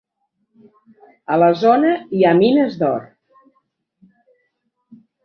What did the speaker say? A la zona hi ha mines d'or.